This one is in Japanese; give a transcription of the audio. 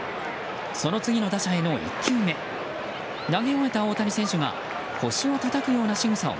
その次の打者への１球目投げ終えた大谷選手が腰をたたくようなしぐさを